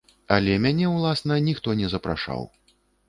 Але мяне, уласна, ніхто не запрашаў.